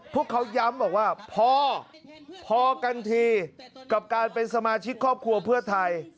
พวกเขาย้ำบอกว่าพอพอกันทีกับการเป็นสมาชิกครอบครัวเพื่อไทย